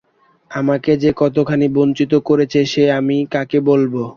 আমাকে যে কতখানি বঞ্চিত করেছে সে আমি কাকে বলব!